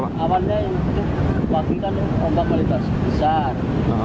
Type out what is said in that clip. awalnya itu wabikan ombak melipas besar